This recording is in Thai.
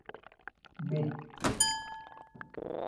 บิด